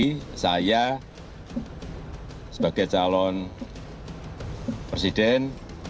jadi saya sebagai calon presiden